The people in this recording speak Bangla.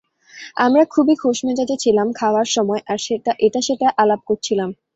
আমরা খুবই খোশমেজাজে ছিলাম খাওয়ার সময় আর এটা সেটা আলাপ করছিলাম।